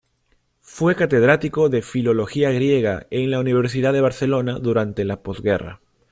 Fue catedrático de filología griega en la Universidad de Barcelona durante la postguerra.